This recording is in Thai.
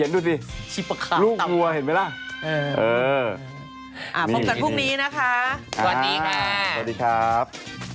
ดูสิลูกวัวเห็นไหมล่ะพบกันพรุ่งนี้นะคะสวัสดีค่ะสวัสดีครับ